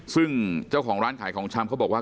ซึ่งเจ้าของร้านขายของชำเขาบอกว่า